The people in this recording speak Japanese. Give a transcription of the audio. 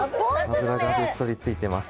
脂がべっとりついてます。